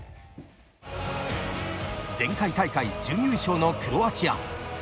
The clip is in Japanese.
前回大会準優勝のクロアチア。